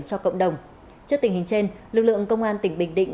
cho cộng đồng trước tình hình trên lực lượng công an tỉnh bình định